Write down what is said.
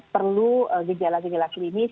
perlu gejala gejala klinis